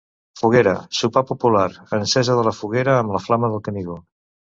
Foguera, sopar popular, encesa de la foguera amb la Flama del Canigó.